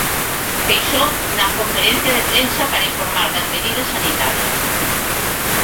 Feixóo na conferencia de prensa para informar das medidas sanitarias.